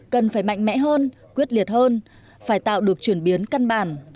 cần phải mạnh mẽ hơn quyết liệt hơn phải tạo được chuyển biến căn bản